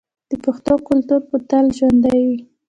د پښتنو کلتور به تل ژوندی وي.